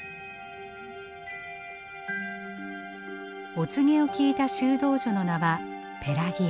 お告げを聞いた修道女の名はペラギア。